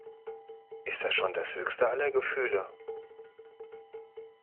Ist das schon das höchste aller Gefühle?